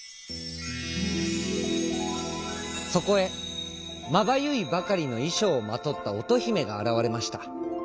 そこへまばゆいばかりのいしょうをまとったおとひめがあらわれました。